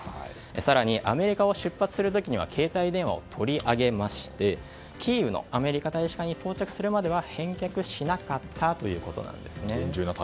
更に、アメリカを出発する時には携帯電話を取り上げましてキーウのアメリカ大使館に到着するまでは返却しなかったということなんですね。